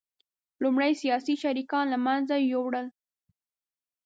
لومړی سیاسي شریکان له منځه یوړل